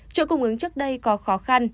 chỗ cung ứng trước đây có khó khăn